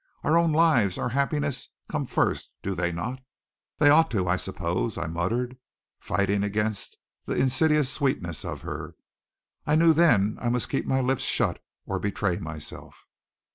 Our own lives, our happiness, come first, do they not?" "They ought to, I suppose," I muttered, fighting against the insidious sweetness of her. I knew then I must keep my lips shut or betray myself.